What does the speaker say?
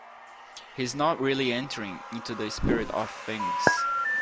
He's not really entering into the spirit of things.